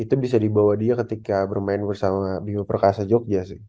itu bisa dibawa dia ketika bermain bersama bio perkasa jogja sih